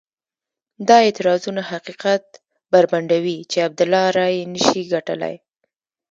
دا اعتراضونه حقیقت بربنډوي چې عبدالله رایې نه شي ګټلای.